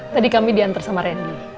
tadi kami diantar sama randy